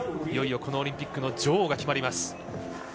いよいよ、このオリンピックの女王が決まります。